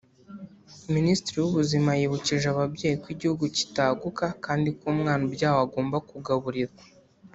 Minisitiri w’Ubuzima yibukije ababyeyi ko igihugu kitaguka kandi ko umwana ubyawe agomba kugaburirwa